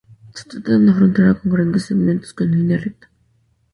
Se trata de una frontera con grandes segmentos en línea recta.